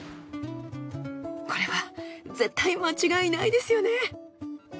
これは絶対間違いないですよね。